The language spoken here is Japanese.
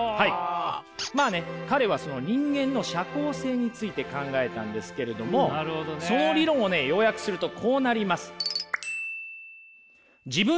まあね彼はその人間の社交性について考えたんですけれどもその理論をね要約するとこうなります。